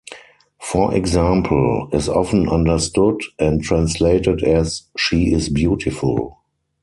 For example, is often understood and translated as "She is beautiful".